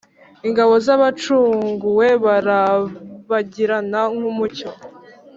Ingabo z’ abacunguwe, Barabagirana nk’ umucyo